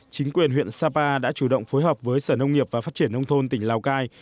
chính quyền huyện sapa đã chủ động phối hợp với sở nông nghiệp và phát triển nông thôn tỉnh lào cai